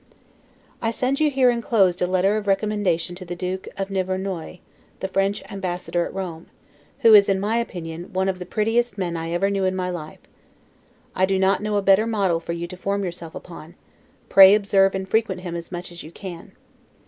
I send you here inclosed a letter of recommendation to the Duke of Nivernois, the French Ambassador at Rome; who is, in my opinion, one of the prettiest men I ever knew in my life. I do not know a better model for you to form yourself upon; pray observe and frequent him as much as you can.